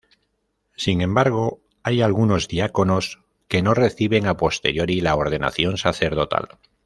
Sin embargo, hay algunos diáconos que no reciben "a posteriori" la ordenación sacerdotal.